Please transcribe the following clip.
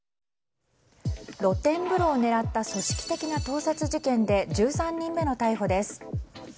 露天風呂を狙った組織的な盗撮事件で１３人目の逮捕です。